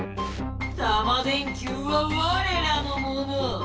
タマ電Ｑはわれらのもの！